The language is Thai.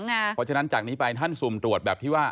เพราะฉะนั้นจากนี้ไปท่านสุ่มตรวจแบบที่ว่า